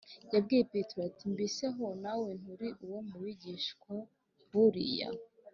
yabwiye petero ati, “mbese aho nawe nturi uwo mu bigishwa b’uriya